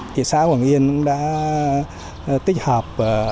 thị xã quảng yên đã tích hợp